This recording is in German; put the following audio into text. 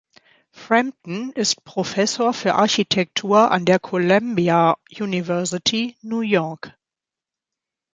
Frampton ist Professor für Architektur an der Columbia University, New York.